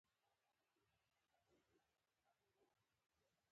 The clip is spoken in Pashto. انسان داسې څه وټاکي چې له جینونو تکثیر سره ملتیا وکړي.